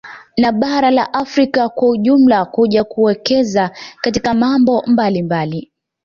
Na bara la Afrika kwa ujumla kuja kuwekeza katika mambo mbalimmbali